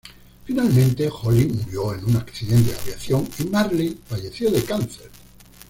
Finalmente, Holly murió en un accidente de aviación y Marley falleció de cáncer.